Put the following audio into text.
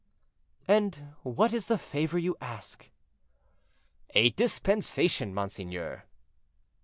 "And what is the favor you ask?" "A dispensation, monseigneur."